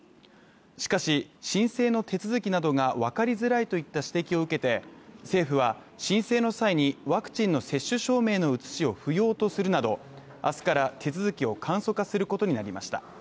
しかし、申請の手続きなどが分かりづらいといった指摘を受けて政府は、申請の際にワクチンの接種証明の写しを不要とするなど明日から手続きを簡素化することになりました。